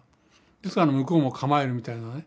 ですから向こうも構えるみたいなね。